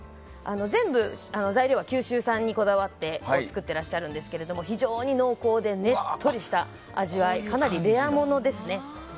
全部、材料は九州産にこだわってつくっていらっしゃるんですが非常に濃厚でねっとりした味わいかなりレアものですね。